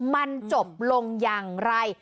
มันจบลงอย่างไร